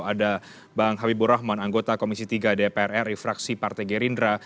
ada bang habibur rahman anggota komisi tiga dprr refraksi partai gerindra